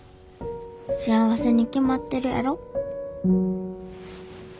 幸せに決まってるやろ。